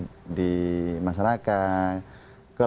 kalau sudah kenal setiap hari ngobrol